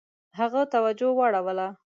هغه توجه واړوله.